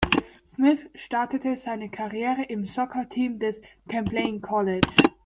Smith startete seine Karriere im Soccer Team, des Champlain College.